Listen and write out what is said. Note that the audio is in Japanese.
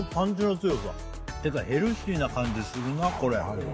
てかヘルシーな感じするなこれ。